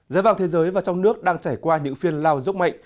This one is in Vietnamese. giá vàng thế giới và trong nước đang trải qua những phiên lao dốc mạnh